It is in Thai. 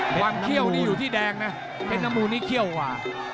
เคี่ยวนี่อยู่ที่แดงนะเพชรน้ำมูลนี้เขี้ยวกว่า